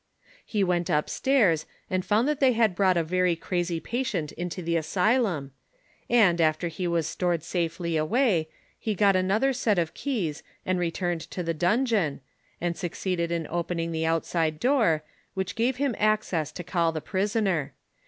He went up stairs and found that they had brought a very crazy patient into the asylum, and, after he was stored safely away, he got another lot of keys and returned to the dungeon, and succeeded in opening the outside door, which gave him access to call the prisoner.